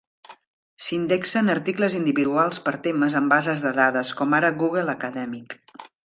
S'indexen articles individuals per temes en bases de dades, com ara Google Acadèmic.